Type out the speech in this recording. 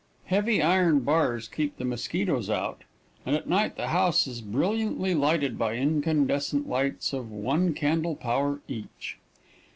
Heavy iron bars keep the mosquitoes out, and at night the house is brilliantly lighted by incandescent lights of one candle power each.